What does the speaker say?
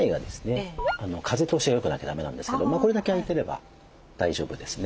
風通しがよくなきゃだめなんですけどこれだけ空いてれば大丈夫ですね。